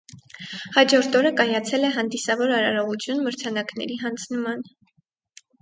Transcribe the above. Հաջորդ օրը կայացել է հանդիասվոր արարողություն մրցանակների հանձնման։